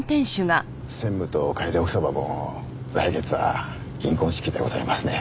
専務と楓奥様も来月は銀婚式でございますね。